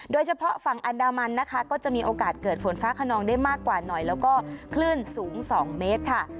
โดยเฉพาะฝั่งอันดามันนะคะก็จะมีโอกาสเกิดฝนฟ้าขนองได้มากกว่าหน่อยแล้วก็คลื่นสูง๒เมตรค่ะ